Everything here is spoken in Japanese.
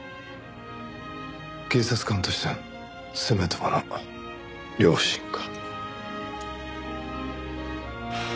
警察官としてのせめてもの良心か。